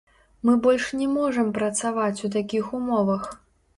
Мы больш не можам працаваць у такіх умовах!